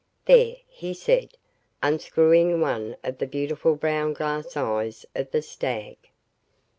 "There," he said, unscrewing one of the beautiful brown glass eyes of the stag.